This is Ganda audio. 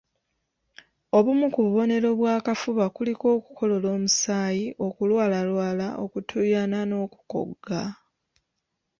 Obumu ku bubonero bw'akafuba kuliko okukolola omusaayi, okulwalalwala, okutuuyana n'okukogga